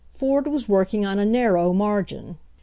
Ford was working on a narrow margin.